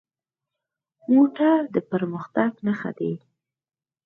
موټر د پرمختګ نښه ده.